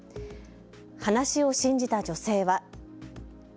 話を信じた女性は。